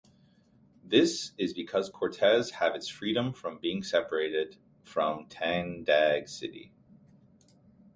This is because Cortes have its freedom from being separated from Tandag City.